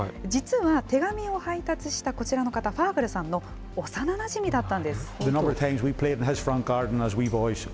実は、手紙を配達したこちらの方、ファーガルさんのおさななじみだったんです。